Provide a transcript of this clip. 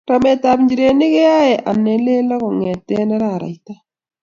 Ramet ab njirenik keyaye an ilelo kongete araraita.